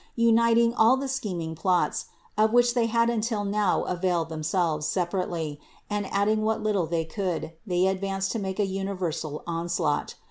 Uniting all the scheming plots, of which they had until now availed themselves sepa rately, and adding what little they could, they advanced to make a universal onslaught.